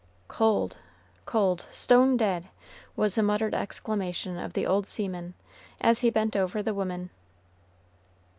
"Cold, cold, stone dead!" was the muttered exclamation of the old seaman, as he bent over the woman.